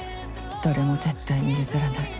どれも絶対に譲らない。